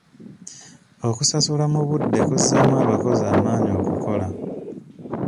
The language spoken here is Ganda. Okusasula mu budde kuzzaamu abakozi amaanyi okukola.